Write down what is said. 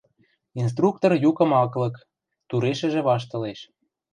Инструктор юкым ак лык, турешӹжӹ ваштылеш.